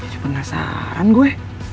jadi penasaran gue